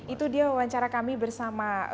itu dia wawancara kami bersama menteri kelautan negeri